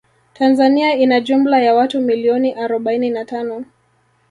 Tanzania ina jumla ya watu milioni arobaini na tano